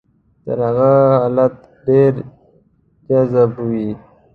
هغه حالت ډېر جذاب وي.